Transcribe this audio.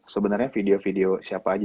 sebenarnya video video siapa aja